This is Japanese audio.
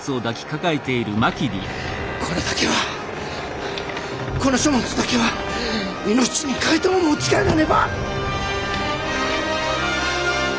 これだけはこの書物だけは命に代えても持ち帰らねば！